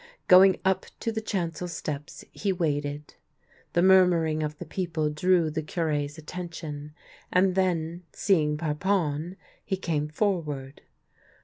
Going up to the chancel steps he waited. The murmuring of the peo ple drew the Cure's attention, and then, seeing Parpon, he came forward.